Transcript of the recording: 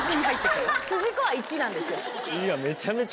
すじこは１なんですよ。